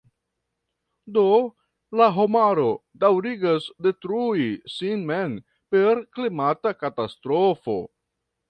Do la homaro daŭrigas detrui sin mem per klimata katastrofo.